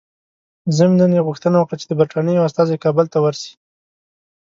ضمناً یې غوښتنه وکړه چې د برټانیې یو استازی کابل ته ورسي.